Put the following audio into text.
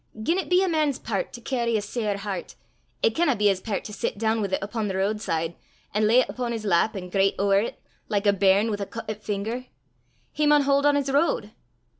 Gien it be a man's pairt to cairry a sair hert, it canna be his pairt to sit doon wi' 't upo' the ro'd side, an' lay 't upo' his lap, an' greit ower 't, like a bairn wi' a cuttit finger: he maun haud on his ro'd.